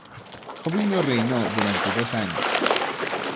Jovino reinó durante dos años.